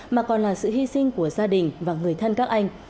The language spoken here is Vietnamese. mà còn là sự hy sinh của gia đình và người thân các anh